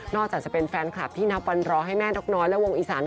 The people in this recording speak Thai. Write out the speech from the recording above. จากจะเป็นแฟนคลับที่นับวันรอให้แม่นกน้อยและวงอีสาน